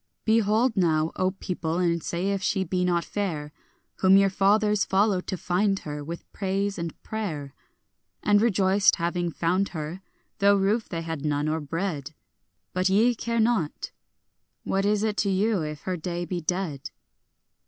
Behold now, O people, and say if she be not fair, Whom your fathers followed to find her, with praise and prayer, And rejoiced, having found her, though roof they had none nor bread; But ye care not; what is it to you if her day be dead?